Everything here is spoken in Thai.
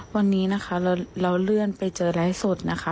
วันนี้นะคะเราเลื่อนไปเจอไลฟ์สดนะคะ